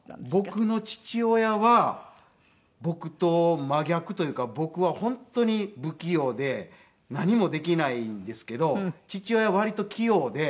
僕の父親は僕と真逆というか僕は本当に不器用で何もできないんですけど父親は割と器用で。